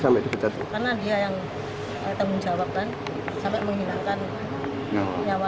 sampai menghina kan nyawa suami saya